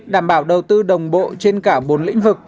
đảm bảo đầu tư đồng bộ trên cả bốn lĩnh vực